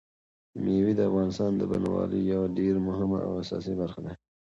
مېوې د افغانستان د بڼوالۍ یوه ډېره مهمه او اساسي برخه ده.